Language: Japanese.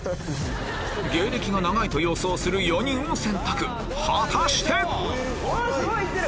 芸歴が長いと予想する４人を選択果たして⁉すごい行ってる！